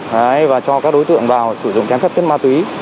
đấy và cho các đối tượng vào sử dụng trái phép chất ma túy